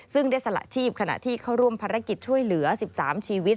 ซึ่งได้สละชีพขณะที่เข้าร่วมภารกิจช่วยเหลือ๑๓ชีวิต